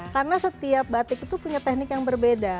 karena setiap batik itu punya teknik yang berbeda